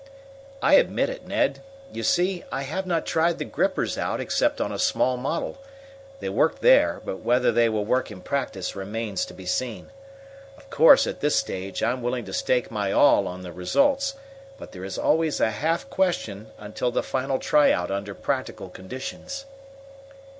"I admit it, Ned. You see, I have not tried the grippers out except on a small model. They worked there, but whether they will work in practice remains to be seen. Of course, at this stage, I'm willing to stake my all on the results, but there is always a half question until the final try out under practical conditions."